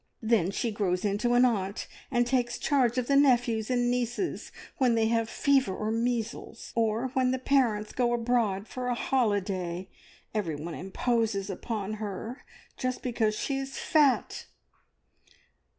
Then she grows into an aunt, and takes charge of the nephews and nieces when they have fever or measles, or when the parents go abroad for a holiday. Everyone imposes upon her, just because she is fat!"